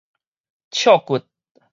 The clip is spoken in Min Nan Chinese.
尺骨